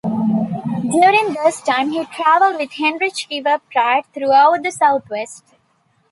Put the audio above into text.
During this time he traveled with Henry Cheever Pratt throughout the Southwest.